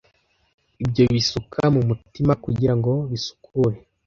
ibyo bisuka mumutima kugirango bisukure